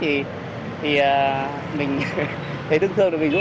thì mình thấy tương thương thì mình giúp